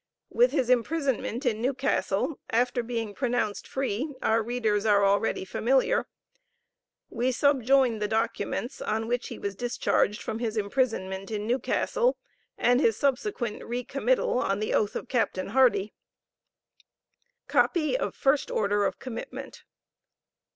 With his imprisonment in Newcastle, after being pronounced free, our readers are already familiar. We subjoin the documents on which he was discharged from his imprisonment in Newcastle, and his subsequent re committal on the oath of Capt. Hardie. COPY OF FIRST ORDER OF COMMITMENT.